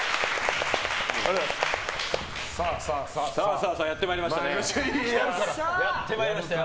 さあさあやってまいりましたよ。